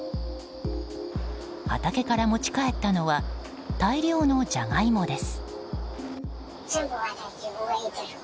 畑から持ち帰ったのは大量のジャガイモです。